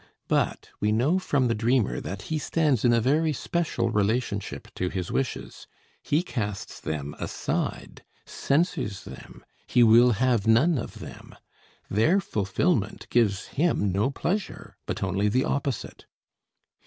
But we know from the dreamer that he stands in a very special relationship to his wishes. He casts them aside, censors them, he will have none of them. Their fulfillment gives him no pleasure, but only the opposite.